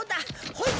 ほい。